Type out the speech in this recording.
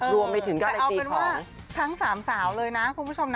รวมไปถึงก็เลยเอาเป็นว่าทั้ง๓สาวเลยนะคุณผู้ชมนะ